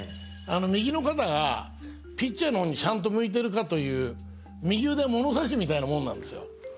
右の肩がピッチャーの方にちゃんと向いてるかという右腕は物差しみたいなもんなんですよ。